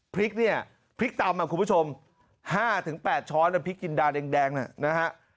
พริกเนี่ยพริกตำคุณผู้ชม๕๘ช้อนพริกจินดาแดงนะฮะ